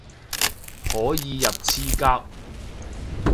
可以入廁格